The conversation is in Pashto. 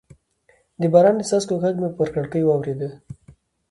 د باران د څاڅکو غږ مې پر کړکۍ واورېد.